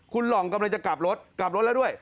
คุณหล่องกำลังจะกลับรถกลับรถแล้วด้วย